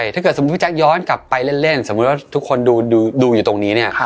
ถ้าเกิดสมมุติพี่แจ๊คย้อนกลับไปเล่นสมมุติว่าทุกคนดูอยู่ตรงนี้เนี่ย